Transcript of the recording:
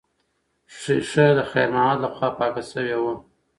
ښیښه د خیر محمد لخوا پاکه شوې وه.